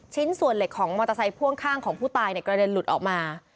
ส่วนเหล็กของมอเตอร์ไซค่วงข้างของผู้ตายกระเด็นหลุดออกมา